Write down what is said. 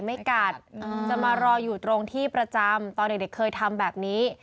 ไม่กัดจะมารออยู่ตรงที่ประจำตอนเด็กเคยทำแบบนี้